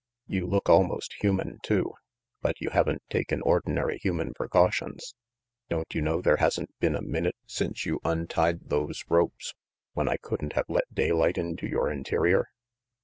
You look almost human, too, but you haven't taken ordinary human precau tions. Don't you know there hasn't been a minute since you untied those ropes when I couldn't have let daylight into your interior?"